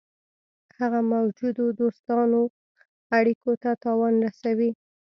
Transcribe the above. هغه موجودو دوستانه اړېکو ته تاوان رسوي.